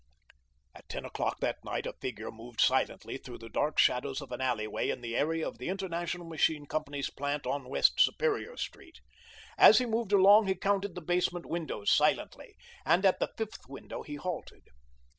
At ten o'clock that night a figure moved silently through the dark shadows of an alleyway in the area of the International Machine Company's plant on West Superior Street. As he moved along he counted the basement windows silently, and at the fifth window he halted.